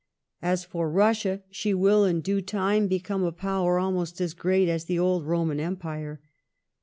As to Russia, she will, in due time, become a Power almost as great as the old Koman empire.